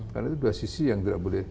karena itu dua sisi yang tidak boleh